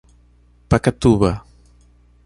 Pacatuba